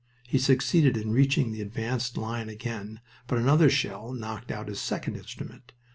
He succeeded in reaching the advanced line again, but another shell knocked out his second instrument.